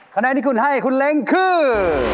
คะแนนที่คุณให้คุณเล้งคือ